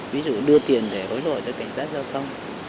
ví dụ đưa tiền để hối lộ cho cảnh sát giao thông